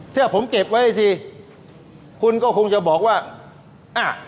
ถ้าผมเก็บไว้สิคุณก็คงจะบอกว่าอ่ะ